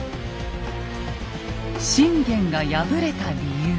信玄が敗れた理由。